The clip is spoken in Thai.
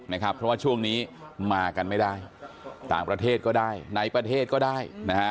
เพราะว่าช่วงนี้มากันไม่ได้ต่างประเทศก็ได้ในประเทศก็ได้นะฮะ